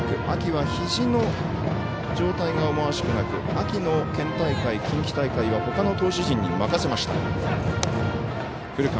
秋はひじの状態が思わしくなく秋の県大会、近畿大会はほかの投手陣に任せました。